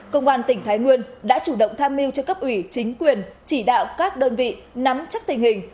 công an tỉnh thái nguyên đã chủ động tham mưu cho cấp ủy chính quyền chỉ đạo các đơn vị nắm chắc tình hình